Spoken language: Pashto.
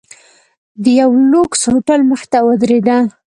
د یوه لوکس هوټل مخې ته ودریده.